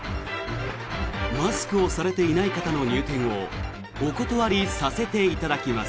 マスクをされていない方の入店をお断りさせていただきます。